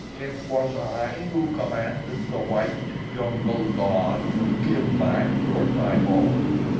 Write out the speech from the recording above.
"It was I who commanded the white jungle god to give back your Tibo."